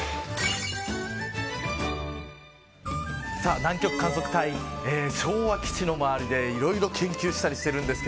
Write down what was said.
南極観測隊昭和基地の周りでいろいろ研究したりしています。